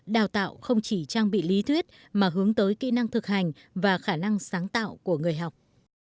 đào tạo không chỉ trang bị lý thuyết mà hướng tới kỹ năng thực hành và khả năng sáng tạo của người học